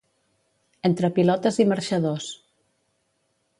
Entre pilotes i marxadors.